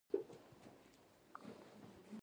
د خویندو پالنه د ورور مړانه ده.